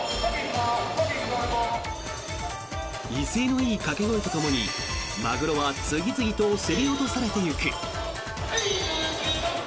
威勢のいい掛け声とともにマグロは次々と競り落とされていく。